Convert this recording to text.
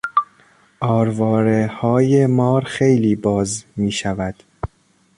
آروارههای مار خیلی باز میشود.